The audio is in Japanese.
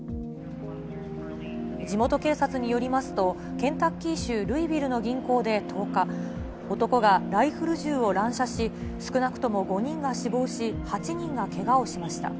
地元警察によりますと、ケンタッキー州ルイビルの銀行で１０日、男がライフル銃を乱射し、少なくとも５人が死亡し、８人がけがをしました。